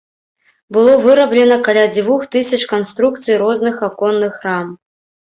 Было выраблена каля дзвюх тысяч канструкцый розных аконных рам.